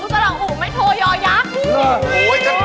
สลักหูไม่โทยอยักษ์